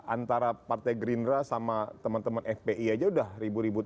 antara partai gerindra sama teman teman fpi aja udah ribut ribut